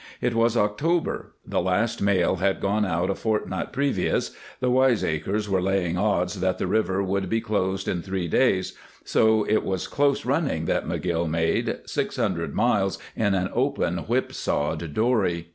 It was October; the last mail had gone out a fortnight previous; the wiseacres were laying odds that the river would be closed in three days, so it was close running that McGill made six hundred miles in an open whip sawed dory.